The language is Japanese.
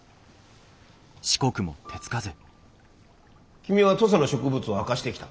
君は土佐の植物を明かしてきた。